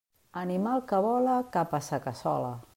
Animal que vola cap a sa cassola!